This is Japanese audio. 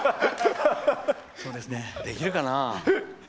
できるかな。